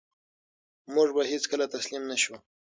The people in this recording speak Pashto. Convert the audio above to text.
موږ به هېڅکله تسلیم نه شو.